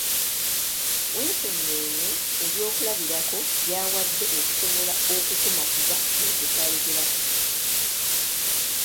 Weekenneenye ebyokulabirako by'awadde okusobola okukumatiza ekyo ky'ayogerako.